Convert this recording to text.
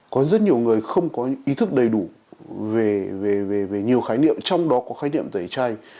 có rất nhiều người không có ý thức đầy đủ về nhiều khái niệm trong đó có khái niệm tẩy chay